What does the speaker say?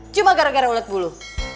cuma gara gara ulet bulu